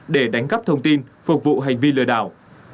để đánh cắp thông tin phục vụ hành vi lừa đảo